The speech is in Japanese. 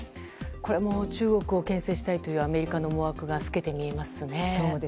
これも中国を牽制したいというアメリカの思惑が透けて見えますね。